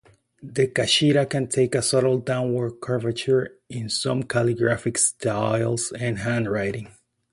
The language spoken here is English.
The kashida can take a subtle downward curvature in some calligraphic styles and handwriting.